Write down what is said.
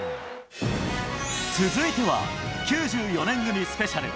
続いては、９４年組スペシャル。